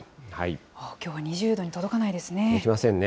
きょうは２０度に届かないですね。